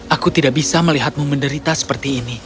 aku tidak bisa melihatmu menderita seperti ini